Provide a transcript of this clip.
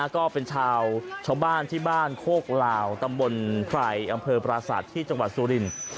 ก็เป็นชาวบ้านที่บ้านโคกลาวตำบลไพรอำเภอปราศาสตร์ที่จังหวัดสุรินทร์